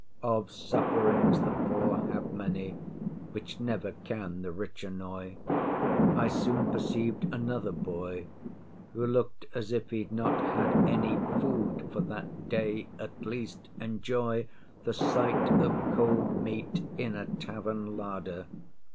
Of sufferings the poor have many, Which never can the rich annoy: I soon perceiv'd another boy, Who look'd as if he'd not had any Food, for that day at least—enjoy The sight of cold meat in a tavern larder.